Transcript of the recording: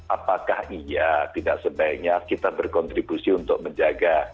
apakah iya tidak sebaiknya kita berkontribusi untuk menjaga